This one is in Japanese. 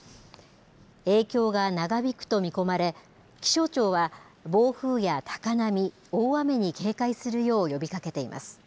影響が長引くと見込まれ、気象庁は暴風や高波、大雨に警戒するよう呼びかけています。